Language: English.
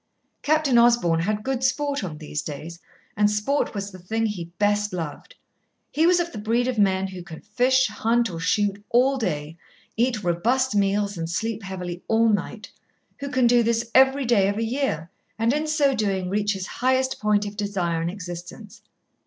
Captain Osborn had good sport on these days, and sport was the thing he best loved. He was of the breed of man who can fish, hunt, or shoot all day, eat robust meals and sleep heavily all night; who can do this every day of a year, and in so doing reach his highest point of desire in existence.